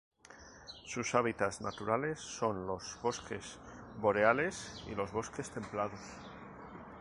Sus hábitats naturales son los bosques boreales y los bosques templados.